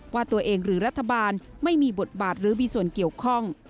ว่าตัวเองหรือรัฐบาลไม่มีบทบาทหรือมีส่วนเกี่ยวข้อง